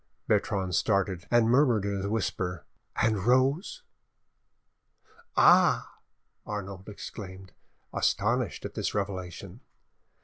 Bertrande started, and murmured in a whisper, "And Rose?" "Ah!" Arnauld exclaimed, astonished at this revelation.